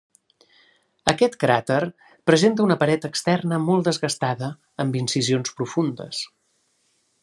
Aquest cràter presenta una paret externa molt desgastada, amb incisions profundes.